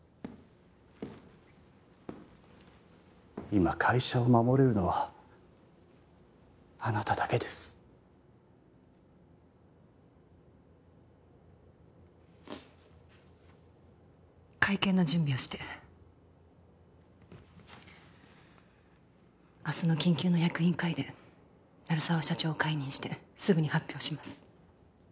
今会社を守れるのはあなただけです会見の準備をして明日の緊急の役員会で鳴沢社長を解任してすぐに発表します